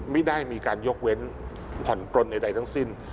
ไม่ได้มีการยกเว้นผ่อนปลนใดทั้งสิ้น